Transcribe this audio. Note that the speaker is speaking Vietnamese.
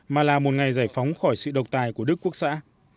mà là một ngày giải phóng khỏi sự độc tài của đức quốc xã